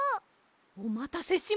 おまたせしました。